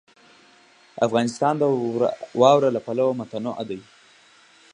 افغانستان د واوره له پلوه متنوع دی.